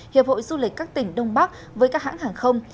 hiệp hội du lịch các tỉnh đông bắc với các hãng hàng không